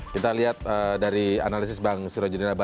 kita lihat dari analisis bang sirojiri